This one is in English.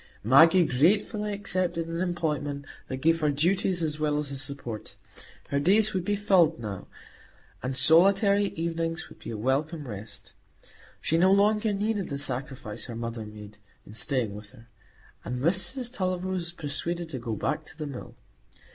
Maggie gratefully accepted an employment that gave her duties as well as a support; her days would be filled now, and solitary evenings would be a welcome rest. She no longer needed the sacrifice her mother made in staying with her, and Mrs Tulliver was persuaded to go back to the Mill.